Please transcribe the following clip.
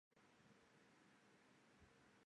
嗜盐古菌素有的属于多肽。